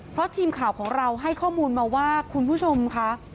เพราะทีมข่าวของเราให้ข้อมูลมาว่าคุณผู้ชมค่ะ